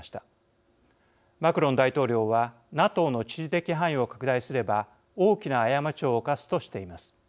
マクロン大統領は「ＮＡＴＯの地理的範囲を拡大すれば大きな過ちを犯す」としています。